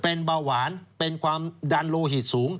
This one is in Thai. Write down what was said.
เป็นเบาหวานเป็นความดันโลหิตสูง